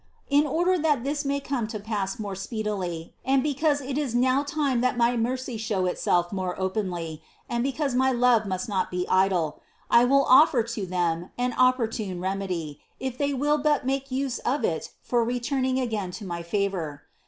In order that this may come to pass more speedily, and because it is now time that my mercy show itself more openly and be cause my love must not be idle, I will offer to them an opportune remedy, if they will but make use of it for re turning again to my favor.